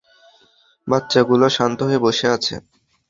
বাচ্চাগুলো শান্ত হয়ে বসে আছে।